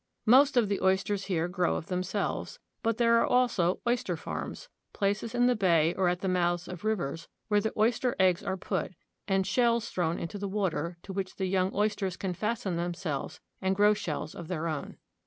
Most of the oysters here grow of therh selves ; but there are also oyster farms — places in the bay or at the mouths of the rivers where the oyster eggs are put, and shells thrown into the water, to which the young oysters can fasten themselves and grow shells of their own.